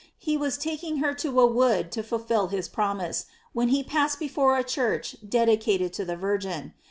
He was taking her to a wood to fulfil his promise, when he passed be fore a church dedicated to the Virgin.